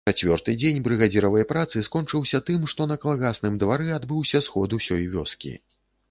Чацвёрты дзень брыгадзіравай працы скончыўся тым, што на калгасным двары адбыўся сход усёй вёскі.